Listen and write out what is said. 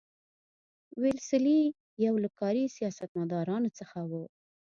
ویلسلي یو له کاري سیاستمدارانو څخه وو.